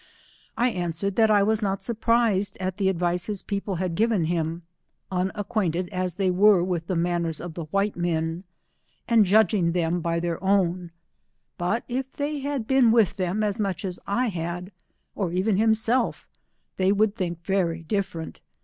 I answered, that I was not surprised at the advice his people had given him, unacquainted as they were with the manners of the white men, and judging them by their own, but if they had been with them as much as I had, or even himself, they would think very different.